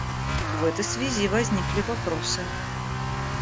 В этой связи возникли вопросы.